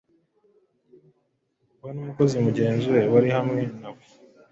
we n’umukozi mugenzi we wari hamwe nawe